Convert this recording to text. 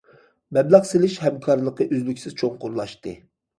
مەبلەغ سېلىش ھەمكارلىقى ئۈزلۈكسىز چوڭقۇرلاشتى.